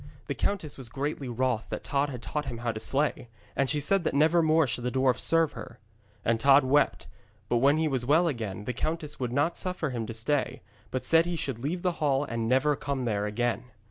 The countess was greatly wroth that Tod had taught him how to slay, and she said that never more should the dwarf serve her. And Tod wept, but when he was well again the countess would not suffer him to stay, but said he should leave the hall and never come there again.